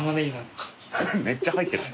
めっちゃ入ってる。